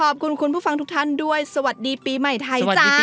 ขอบคุณคุณผู้ฟังทุกท่านด้วยสวัสดีปีใหม่ไทยจ้า